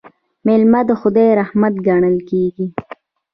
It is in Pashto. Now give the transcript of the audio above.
میلمه د خدای رحمت ګڼل کیږي.